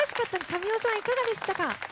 神尾さん、いかがでしたか？